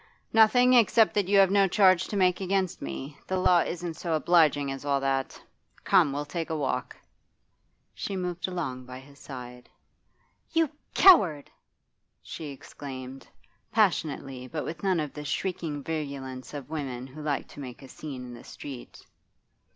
'Nothing, except that you have no charge to make against me. The law isn't so obliging as all that. Come, we'll take a walk.' She moved along by his side. 'You coward!' she exclaimed, passionately but with none of the shrieking virulence of women who like to make a scene in the street.